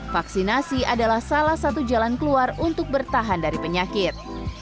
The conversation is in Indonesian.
vaksinasi adalah salah satu jalan keluar untuk bertahan dari penyakit